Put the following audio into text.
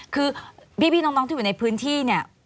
คือพี่น้องที่อยู่ในพื้นที่เนี่ย